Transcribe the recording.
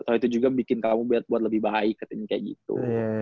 atau itu juga bikin kamu buat lebih baik katanya kayak gitu